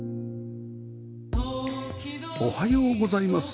おはようございます。